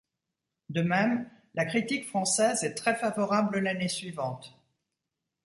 De même, la critique française est très favorable l'année suivante.